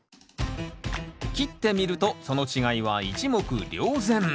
切ってみるとその違いは一目瞭然。